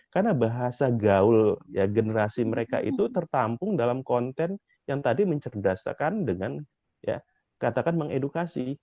karena bahasa gaul generasi mereka itu tertampung dalam konten yang tadi mencerdasakan dengan mengedukasi